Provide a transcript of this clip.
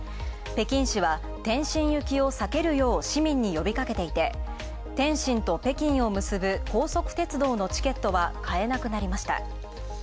北京市は、天津行きを避けるよう市民に呼びかけていて天津と北京を結ぶ高速鉄道のチケットは買えなくなりました。